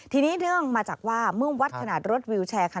ทีนี้เนื่องมาจากว่าเมื่อวัดขนาดรถวิวแชร์ค่ะ